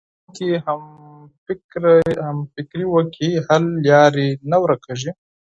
که زده کوونکي همفکري وکړي، حل لارې نه ورکېږي.